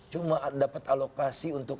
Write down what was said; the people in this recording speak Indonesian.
cuma dapat alokasi untuk